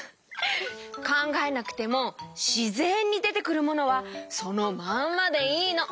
かんがえなくてもしぜんにでてくるものはそのまんまでいいの。